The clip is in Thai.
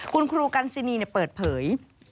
คุณครูกันซินีเปิดเผย